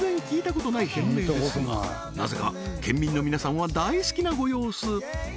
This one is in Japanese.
ことない店名ですがなぜか県民の皆さんは大好きなご様子